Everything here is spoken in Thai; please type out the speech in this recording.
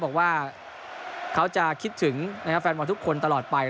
บอกว่าเขาจะคิดถึงแฟนบอลทุกคนตลอดไป